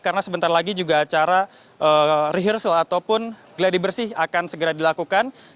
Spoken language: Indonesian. karena sebentar lagi juga acara rehearsal ataupun gladi bersih akan segera dilakukan